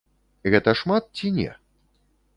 Гэта шмат ці не?